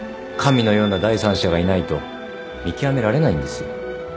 神のような第三者がいないと見極められないんですよ。